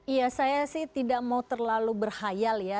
iya saya sih tidak mau terlalu berhayal ya